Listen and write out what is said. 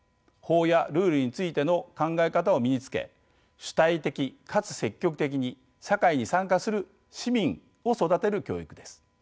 法やルールについての考え方を身につけ主体的かつ積極的に社会に参加する「市民」を育てる教育です。